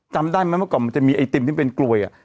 จำได้ไหมเมื่อก่อนมันจะมีไอติมที่เป็นกลวย